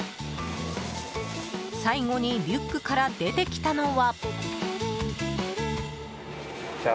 最後にリュックから出てきたのは。